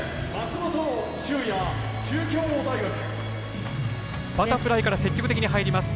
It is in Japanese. バタフライから積極的に入ります。